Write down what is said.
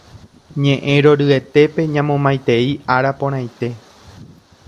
Ñe'ẽ roryetépe ñamomaitei ára porãite.